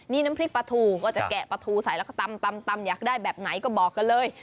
นี่น้ำพริกปลาทูว่าจะแกะปลาทูใส่แล้วก็ตำอยากได้แบบไหนก็บอกกันเลย